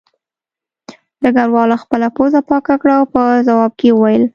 ډګروال خپله پوزه پاکه کړه او په ځواب کې یې وویل